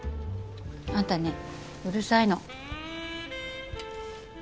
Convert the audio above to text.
あんたねうるさいの。